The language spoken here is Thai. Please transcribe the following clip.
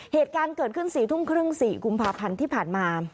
เหตุการณ์เกิดขึ้น๔ทุ่มครึ่ง๔กุมภาพันธ์ที่ผ่านมา